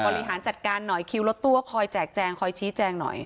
บริหารจัดการหน่อยคิวรถตู้คอยแจกแจงคอยชี้แจงหน่อย